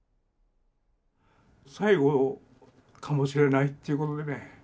最後かもしれないっていうことでね。